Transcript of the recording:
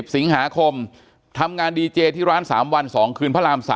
สิงหาคมทำงานดีเจที่ร้าน๓วัน๒คืนพระราม๓